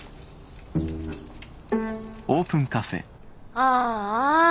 ああ。